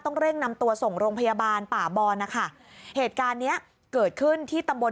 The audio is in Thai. ต้องเร่งนำตัวส่งโรงพยาบาลป่าบอนนะคะเหตุการณ์เนี้ยเกิดขึ้นที่ตำบล